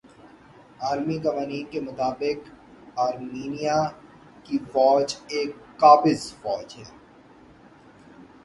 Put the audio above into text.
عالمی قوانین کے مطابق آرمینیا کی فوج ایک قابض فوج ھے